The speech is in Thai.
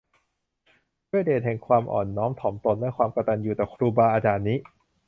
ด้วยเดชแห่งความอ่อนน้อมถ่อมตนและความกตัญญูต่อครูบาอาจารย์นี้